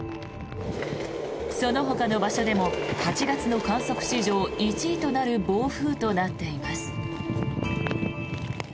そのほかの場所でも８月の観測史上１位となる暴風となっています。